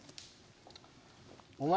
お前